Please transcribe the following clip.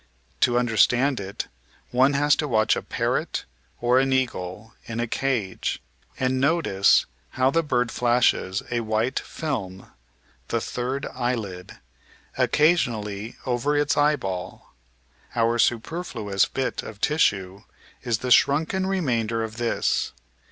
To understand it, one has to watch a parrot or an eagle in a cage, and notice how the bird flashes a white film (the "third eyelid") occasionally over its eye ball. Our superfluous bit of tissue is the shrunken remainder of this.